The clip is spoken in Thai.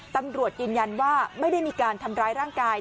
ตำรวจยืนยันว่าไม่ได้มีการทำร้ายร่างกาย